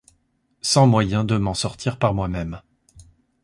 sans moyen de m'en sortir par moi même.